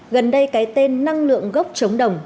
gần đây cái tên năng lượng gốc chống đồng